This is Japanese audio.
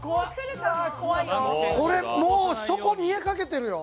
それ、もう、そこ、見えかけてるよ。